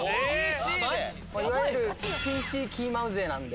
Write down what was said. いわゆるＰＣキーマウ勢なんで。